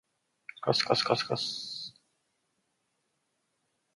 かすかすかすかす